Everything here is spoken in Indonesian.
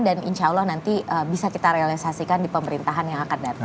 dan insya allah nanti bisa kita realisasikan di pemerintahan yang akan datang